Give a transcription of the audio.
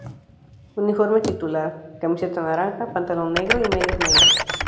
Uniforme titular: Camiseta naranja, pantalón negro y medias negras.